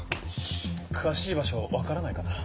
詳しい場所分からないかな？